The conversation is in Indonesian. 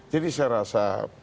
jadi saya rasa